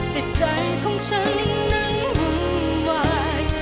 ใจของฉันนั้นหุ่นวาย